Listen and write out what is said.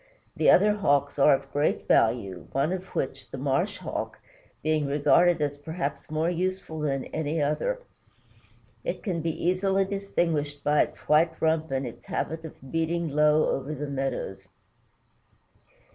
The other Hawks are of great value, one of which, the Marsh Hawk, being regarded as perhaps more useful than any other. It can be easily distinguished by its white rump and its habit of beating low over the meadows.